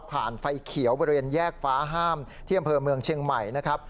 ไฟเขียวบริเวณแยกฟ้าห้ามที่อำเภอเมืองเชียงใหม่นะครับ